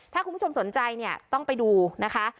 ถ้าคุณผู้ชมสนใจเนี่ยต้องไปดูนะคะ